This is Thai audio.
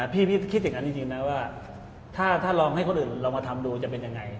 พี่คิดอย่างนั้นจริงนะว่าถ้าลองให้คนอื่นลองมาทำดูจะเป็นยังไง